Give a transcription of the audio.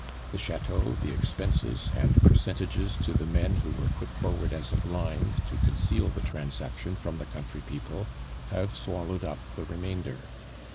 The chateau, the expenses, and percentages to the men who were put forward as a blind to conceal the transaction from the country people, have swallowed up the remainder.